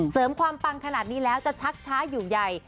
เสริมความปังขนาดนี้แล้วจะชักช้าอยู่ใหญ่